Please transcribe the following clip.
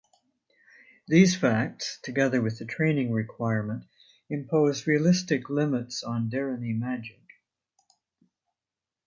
These facts, together with the training requirement, impose realistic limits on Deryni magic.